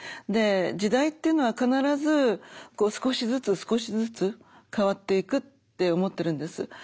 で時代っていうのは必ず少しずつ少しずつ変わっていくって思ってるんです。